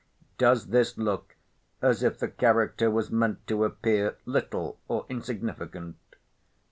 Does this look as if the character was meant to appear little or insignificant?